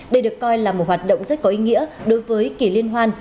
đây được coi là một hoạt động rất có ý nghĩa đối với kỷ liên hoan